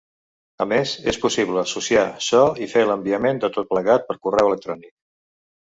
A més és possible associar so i fer l'enviament de tot plegat per correu electrònic.